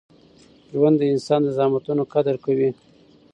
ژوند د انسان د زحمتونو قدر کوي.